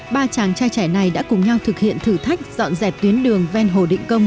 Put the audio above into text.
ba chàng trai trẻ này đã cùng nhau thực hiện thử thách dọn dẹp tuyến đường ven hồ định công